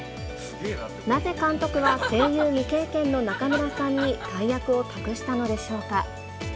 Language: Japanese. なぜ監督は声優未経験の中村さんに大役を託したのでしょうか。